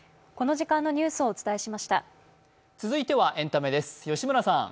続いてはエンタメです。